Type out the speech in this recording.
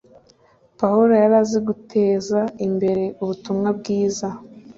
pawulo yari azi guteza imbere ubutumwa bwiza